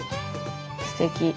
すてき。